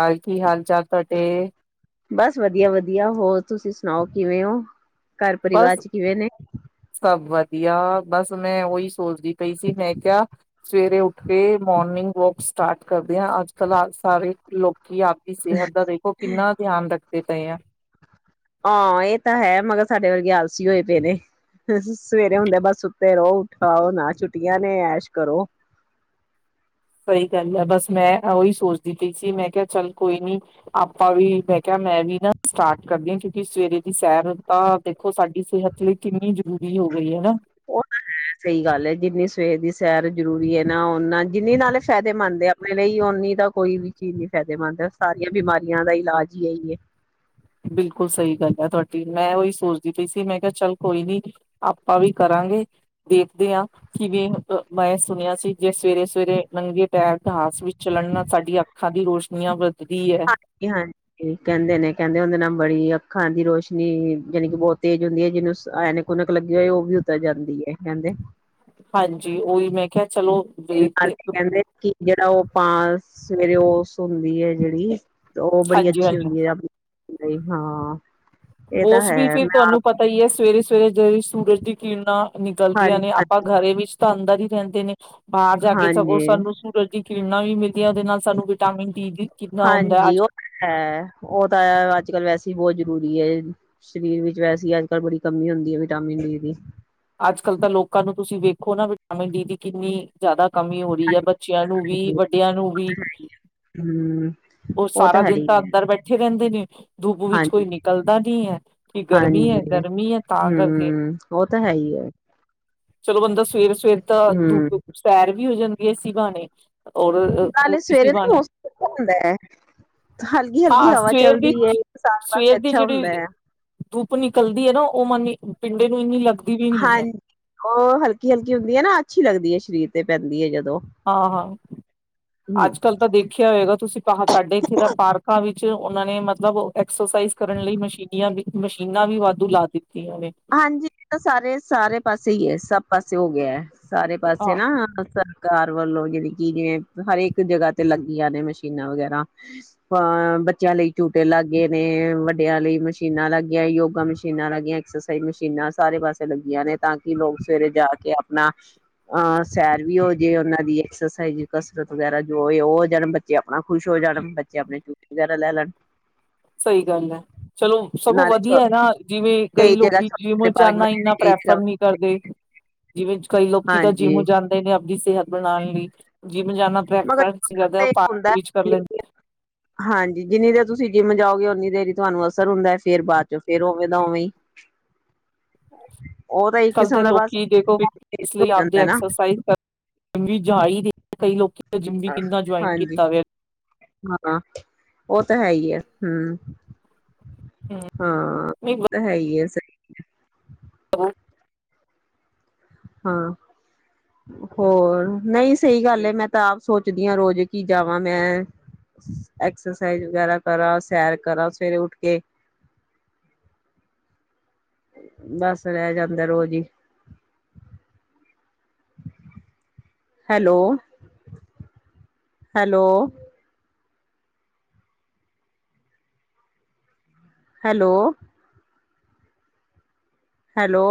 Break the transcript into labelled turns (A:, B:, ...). A: ਹਾਲ ਕੀ ਹਾਲ ਚਾਲ ਤੁਹਾਟੇ
B: ਬਸ ਵਧੀਆ ਵਧੀਆ ਹੋਰ ਤੁਸੀਂ ਸੁਣਾਓ ਕਿਵੇਂ ਹੋ ਘਰ
A: ਬਸ
B: ਪਰਿਵਾਰ ਚ ਕਿਵੇਂ ਨੇ
A: ਸਭ ਵਧੀਆ ਬਸ ਮੈਂ ਉਹੀ ਸੋਚਦੀ ਪਈ ਸੀ ਮੈਂ ਕਿਹਾ ਸਵੇਰੇ ਉੱਠ ਕੇ ਮੋਰਨਿੰਗ ਵੋਕ ਸਟਾਰਟ ਕਰਦੇ ਹਾਂ ਅੱਜ ਕੱਲ ਆ ਸਾਰੇ ਲੋਕ ਕਿ ਆਪਦੀ ਸਿਹਤ ਦਾ ਦੇਖੋ ਕਿੰਨਾ ਧਿਆਨ ਰੱਖਦੇ ਪਏ ਆ
B: ਹਾਂ ਇਹ ਤਾਂ ਹੈ ਮਗਰ ਸਾਡੇ ਵਰਗੇ ਆਲਸੀ ਹੋਏ ਪਏ ਨੇ ਸਵੇਰੇ ਹੁੰਦੇ ਬਸ ਉੱਤੇ ਰਹੋ ਉਠਾਓ ਨਾ ਛੁੱਟੀਆਂ ਨੇ ਐਸ਼ ਕਰੋ
A: ਸਹੀ ਗੱਲ ਹੈ ਬਸ ਮੈਂ ਉਓਹੀ ਸੋਚਦੀ ਪਈ ਸੀ ਮੈਂ ਕਿਹਾ ਚੱਲ ਕੋਈ ਨੀ ਆਪਾਂ ਵੀ ਮੈਂ ਕਿਹਾ ਮੈਂ ਵੀ ਨਾ ਸਟਾਰਟ ਕਰਦੀ ਹਾਂ ਕਿਉਂਕਿ ਸਵੇਰੇ ਦੀ ਸੈਰ ਤਾਂ ਦੇਖੋ ਸਾਡੀ ਸਿਹਤ ਲਈ ਕਿੰਨੀ ਜ਼ਰੂਰੀ ਹੋ ਗਈ ਹੈ ਨਾ
B: ਉਹ ਤਾਂ ਹੈ ਸਹੀ ਗੱਲ ਹੈ ਜਿੰਨੀ ਸਵੇਰ ਦੀ ਸੈਰ ਜ਼ਰੂਰੀ ਹੈ ਨਾ ਨਾ ਜਿੰਨੀ ਨਾਲੇ ਫਾਇਦੇ ਮੰਨਦੇ ਆਪਣੇ ਲਈ ਉਓਨੀ ਦਾ ਕੋਈ ਵੀ ਚੀਜ਼ ਨੀ ਫਾਇਦੇਮੰਦ ਹੈ ਸਾਰੀਆਂ ਬਿਮਾਰੀਆਂ ਦਾ ਇਲਾਜ ਹੀ ਹੈ ਹੀਏ
A: ਬਿਲਕੁਲ ਸਹੀ ਗੱਲ ਹੈ ਤੁਹਾਡੀ ਮੈਂ ਉਹੀ ਸੋਚਦੀ ਪਈ ਸੀ ਮੈਂ ਕਿਹਾ ਚੱਲ ਕੋਈ ਨੀ ਆਪਾਂ ਵੀ ਕਰਾਂਗੇ ਦੇਖ ਆ ਕਿਵੇਂ ਮੈਂ ਸੁਣਿਆ ਸੀ ਜੇ ਸਵੇਰੇ ਸਵੇਰੇ ਨੰਗੇ ਪੈਰ ਘਸ ਵਿੱਚ ਚਲਣ ਨਾਲ ਸਾਡੀੀਆਂ ਅੱਖਾਂ ਦੀ ਰੋਸ਼ਨੀਆਂ ਵੱਧਦੀ ਹੈ
B: ਹਾਂਜੀ ਹਾਂਜੀ ਕਹਿੰਦੇ ਨੇ ਕਹਿੰਦੇ ਉਹਦੇ ਨ ਬੜੀ ਅੱਖਾਂ ਦੀ ਰੋਸ਼ਨੀ ਜਾਣੀ ਕਿ ਬਹੁਤ ਤੇਜ਼ ਹੁੰਦੀ ਹੈ ਜਿਹਨੂੰ ਐਨਕ ਨਕ ਲੱਗੀ ਹੋਏ ਉਹ ਵੀ ਉਤਰ ਜਾਂਦੀ ਹੈ ਕਹਿੰਦੇ
A: ਹਾਂਜੀ ਉਹੀ ਮੈਂ ਕਿਹਾ ਚਲੋ
B: ਨਾਲ
A: ਵੇਖਦੇ।
B: ਕਹਿੰਦੇ ਕਿ ਜਿਹੜਾ ਉਹ ਪਾ ਸਵੇਰੇ ਉਸ ਹੁੰਦੀ ਹੈ ਜਿਹੜੀ ਉਹ ਬੜੀ
A: ਹਾਂਜੀ
B: ਅੱਛੀ
A: ਹਾਂਜੀ
B: ਹੁੰਦੀ ਹੈ ਆਪਣੀ ਨਹੀਂਈ ਹਾਂ ਇਹ ਤਾਂ
A: ਉਸ ਵੀ
B: ਹੈ
A: ਫਿਰ
B: ਮੈਂ
A: ਤੁਹਾਨੂੰ ਪਤਾ ਹੀ ਹੈ ਸਵੇਰੇ ਸਵੇਰੇ ਜਿਹੜੀ ਸੂਰਜ ਦੀ ਕਿਰਨਾਂਾਂ ਨਿਕਲਦੀਆਂ ਨੇ
B: ਹਾਂਜੀ
A: ਆਪਾਂ ਘਰੇ ਵਿੱਚ ਸ਼ਾਨਦਾਰ ਹੀ ਰਹਿੰਦੇ ਨੇ ਬਾਹਰ ਜਾ ਕੇ ਸਗੋਂ
B: ਹਾਂਜੀ
A: ਸਾਨੂੰ ਸੂਰਜ ਦੀ ਕਿਰਨਾਂਾਂ ਵੀ ਮਿਲਦੀਆਂ ਉਹਦੇ ਨਾਲ ਸਾਨੂੰ [unintelligible] ਹੁੰਦਾ ਹੈ। ਅੱਜ
B: ਹਾਂਜੀ ਉਹ ਹੈ ਉਹ ਤਾਂ ਅੱਜ ਕੱਲ ਵੈਸੇ ਬਹੁਤ ਜਰੂਰੀ ਹੈ ਸਰੀਰ ਵਿੱਚ ਵੈਸੇ ਅੱਜ ਕੱਲ੍ਹ ਬੜੀ ਕਮੀ ਹੁੰਦੀ ਹੈ ਵਿਟਾਮਿਨ ਡੀ ਦੀ
A: ਅੱਜ ਕੱਲ ਤਾਂ ਲੋਕਾਂ ਨੂੰ ਤੁਸੀਂ ਵੇਖੋ ਨਾ ਵਿਟਾਮਿਨ ਡੀ ਦੀ ਕਿੰਨੀ ਜ਼ਿਆਦਾ ਕਮੀ ਹੋ ਰਹੀ ਹੈ ਬੱਚਿਆਂ ਨੂੰ ਵੀ ਵੱਡਿਆਂ ਨੂੰ ਵੀ
B: ਹਮ
A: ਉਹ ਸਾਰਾ
B: ਹੈ
A: ਦਿਨ
B: ਹੀ
A: ਤਾਂ
B: ਹੈ
A: ਅੰਦਰ ਬੈਠੇ ਰਹਿੰਦੇ ਨੇ ਧੁੱਪ
B: ਹਾਂ
A: ਵਿੱਚ ਕੋਈ ਨਿਕਲਦਾ ਨਹੀਂ ਕਿ ਗਰਮੀ ਹੈ
B: ਹਾਂਜੀ
A: ਗਰਮੀ ਹੈ ਤਾਂ ਕਰਕੇ
B: ਹਮ ਉਹ ਤਾਂ ਹੈ ਹੀ ਹੈ
A: ਚਲੋ ਬੰਦਾ ਸਵੇਰ ਸਵੇਰ ਤਾਂ
B: ਹਮ
A: ਧੁੱਪ ਸੈਰ ਵੀ ਹੋ ਜਾਂਦਾ [unintelligible] ਔਰ
B: ਨਾਲੇ
A: ਇਸ
B: ਸਵੇਰੇ ਨਾ
A: ਬਹਾਨੇ
B: ਮੌਸਮ ਹੁੰਦਾ ਹੈ ਹਲਕੀ ਹਲਕੀ
A: ਹਾਂ
B: ਹਵਾ
A: ਸਵੇਰ ਦੀ
B: ਚੱਲਦੀ ਹੈ ਬਰਸਾਤ ਵਾਸਤੇ
A: ਸਵੇਰ ਦੀ
B: ਅੱਛਾ ਹੁੰਦਾ
A: ਜਿਹੜੀ
B: ਹੈ
A: ਧੁੱਪ ਨਿਕਲਦੀ ਹੈ ਨਾ ਉਹ ਮਨੀ ਪਿੰਡੇ ਨੂੰ ਇੰਨੀ ਲੱਗਦਾ
B: ਹਾਂਜੀ ਉਹ ਹਲਕੀ ਹਲਕੀ ਹੁੰਦੀ ਹੈ ਨਾ ਅੱਛੀ ਲੱਗਦੀ ਹੈ ਸਰੀਰ [unintelligible]
A: ਹਾਂ ਹਾਂ
B: ਹਮ
A: ਅੱਜ ਕੱਲ ਤਾਂ ਦੇਖਿਆ ਹੋਏਗਾ ਤੁਸੀਂ ਤਾਂ ਸਾਡੇ ਇਥੇ ਦਾ ਪਾਰਕਾਂ ਵੀ ਉਹਨਾਂ ਨੇ ਮਤਲਬ ਐਕਸਰਸਾਈਜ਼ ਕਰਨ ਲਈ ਮਸ਼ੀਨੀਆਂ ਵੀ ਮਸ਼ੀਨਾਂ ਵੀ ਵਾਧੂ ਲਾ ਦਿੱਤੀ
B: ਹਾਂਜੀ ਇਹ ਤਾਂ ਸਾਰੇ ਸਾਰੇ ਪਾਸੇ ਹੀ ਹੈ ਸਭ ਪਾਸੇ ਹੋ ਗਿਆ ਸਾਰੇ ਪਾਸੇ
A: ਹਾਂ
B: ਨਾ ਸਰਕਾਰ ਵੱਲੋਂ ਜਿਹੜੀ ਕਿ ਜਿਵੇਂ ਹਰੇਕ ਜਗ੍ਹਾ ਤੇ ਲੱਗੀਆਂ ਨੇ ਮਸ਼ੀਨਾਂ ਵਗੈਰਾ ਅ ਬੱਚਿਆਂ ਲਈ ਝੂਟੇ ਲੱਗ ਗਏ ਨੇ ਵੱਡਿਆਂ ਲਈ ਮਸ਼ੀਨਾਂ ਲੱਗੀਆਂ ਯੋਗਾ ਮਸ਼ੀਨਾਂ ਲੱਗੀਆਂ ਮਸ਼ੀਨਾਂ ਸਾਰੇ ਪਾਸੇ ਲੱਗੀਆਂ ਨੇ ਤਾਂ ਕਿ ਲੋਕ ਸਵੇਰੇ ਜਾ ਕੇ ਆਪਣਾ ਅਹ ਸੈਰ ਵੀ ਹੋ ਜਾਏ ਉਹਨਾਂ ਦੀ ਐਕਸਾਈਜ਼ ਕਸਰਤ ਵਗੈਰਾ ਜੋ ਉਹ ਹੋ ਜਾਣ ਬੱਚੇ ਆਪਣਾ ਖੁਸ਼ ਹੋ ਜਾਣ ਬੱਚੇ ਆਪਣੇ ਵਗੈਰਾ ਲੈ ਲੈਣ
A: ਸਹੀ ਗੱਲ ਹੈ ਚਲੋ ਸਗੋਂ
B: ਨਾਲੇ ਛੋ
A: ਵਧੀਆ ਹੈ ਨਾ ਜਿਵੇਂ ਕਈ ਲੋਕ
B: ਜਗ੍ਹਾ
A: ਕਿ ਜਿਮ
B: ਛੋਟੇ ਪਾਰਕ
A: ਜਾਣਾ
B: ਬਣੇ ਨੇ
A: ਇੰਨਾ
B: ਕਈ ਜਗ੍ਹਾ
A: ਪ੍ਰੈਫਰ ਨਹੀਂ
B: ਵੱਡੇ।
A: ਕਰਦੇ ਜਿਵੇਂ ਕਈ ਲੋਕ ਕਿ ਤਾਂ
B: ਹਾਂਜੀ
A: ਜਿਮ ਜਾਂਦੇ ਨੇ ਦੀ ਸਿਹਤ ਬਣਾਉਣ ਲਈ ਜਿਮ ਜਾਨਾ
B: ਮਗਰ
A: ਬ੍ਰੈਕਫਾਸਟ
B: ਤੇ ਹੁੰਦਾ
A: ਕਰ ਲੈਂਦਾ
B: ਹਾਂਜੀ ਜਿੰਨੀ ਦੇਰ ਤੁਸੀਂ ਜਿੰਮ ਜਾਓਗੇ ਓਨੀ ਦੇਰ ਹੀ ਤੁਹਾਨੂੰ ਅਸਰ ਹੁੰਦਾ ਫੇਰ ਬਾਅਦ ਚੋਂ ਫੇਰ ਉਵੇਂ ਦਾ ਉਵੇਂ ਉਹ ਤਾਂ
A: ਅਜ
B: ਇੱਕ
A: ਕੱਲ ਦੇ
B: ਕਿਸਮ ਦਾ ਬਸ
A: ਲੋਕੀ ਦੇਖੋ ਇਸ
B: ਹੋ
A: ਲਈ ਆਪਦੇ
B: ਜਾਂਦਾ ਨਾ
A: ਐਕਸਰਸਾਈਜ਼ ਜਾਹੀ ਕਈ ਲੋਕੀ ਦਾ ਜਿੰਮ ਵੀ ਕਿੰਨਾ ਜੁਆਇਨ
B: ਹਾਂਜੀ
A: ਕੀਤਾ ਗਿਆ
B: ਹਾਂ ਉਹ ਤਾਂ ਹੈ ਹੀ ਆ ਹਮ ਹਾਂ
A: ਨਹੀਂ
B: ਤਾਂ ਹੈ ਹੀ ਆ [unintelligible]
A: [unintelligible]
B: ਹਾਂ ਹੋਰ ਨਹੀਂ ਸਹੀ ਗੱਲ ਹੈ ਮੈਂ ਤਾਂ ਆਪ ਸੋਚਦੀ ਹਾਂ ਰੋਜ਼ ਕਿ ਜਾਵਾਂ ਮੈਂ ਐਕਸਰਸਾਈਜ਼ ਵਗੈਰਾ ਕਰਾਂ ਸੈਰ ਕਰਾਂ ਸਵੇਰੇ ਉੱਠ ਕੇ ਬਸ ਰਹਿ ਜਾਂਦਾ ਰੋਜ਼ ਹੀ ਹੈਲੋ ਹੈਲੋ ਹੈਲੋ ਹੈਲੋ